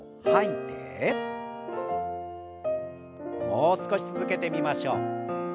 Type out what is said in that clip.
もう少し続けてみましょう。